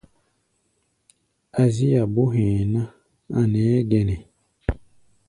Azía bó hɛ̧ɛ̧ ná, a̧ nɛɛ́ gɛnɛ.